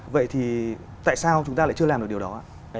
vậy thì tại sao chúng ta lại chưa làm được điều đó ạ